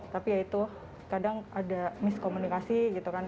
tapi ya itu kadang ada miskomunikasi gitu kan